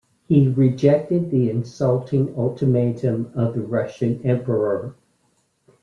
He rejected the insulting ultimatum of the Russian emperor.